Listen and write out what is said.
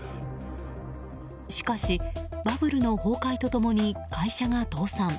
しかし、バブルの崩壊と共に会社が倒産。